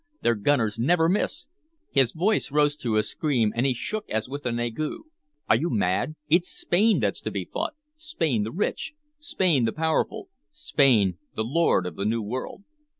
Their gunners never miss!" His voice rose to a scream, and he shook as with an ague. "Are you mad? It's Spain that's to be fought! Spain the rich! Spain the powerful! Spain the lord of the New World!"